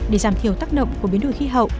để giảm thiểu tác động của biến đổi khí hậu